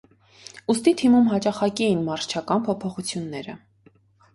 Ուստի թիմում հաճախակի էին մարզչական փոփոխությունները։